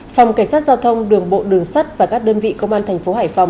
phòng cảnh sát giao thông đường bộ đường sắt và các đơn vị công an thành phố hải phòng